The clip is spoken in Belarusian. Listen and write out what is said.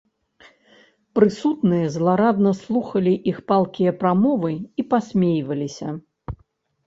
Прысутныя зларадна слухалі іх палкія прамовы і пасмейваліся.